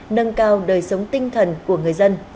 nâng cao đời sống tinh thần của người dân